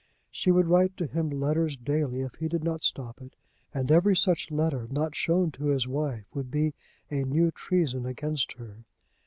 She would write to him letters daily if he did not stop it; and every such letter not shown to his wife would be a new treason against her.